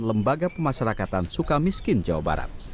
lembaga pemasyarakatan suka miskin jawa barat